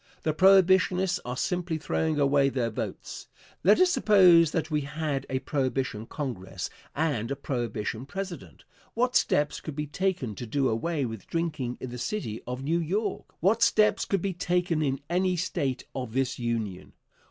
The Prohibitionists are simply throwing away their votes. Let us suppose that we had a Prohibition Congress and a Prohibition President what steps could be taken to do away with drinking in the city of New York? What steps could be taken in any State of this Union?